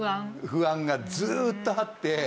不安がずーっとあって。